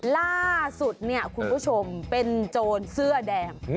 ล่าสุดเนี่ยคุณผู้ชมเป็นโจรเสื้อแดง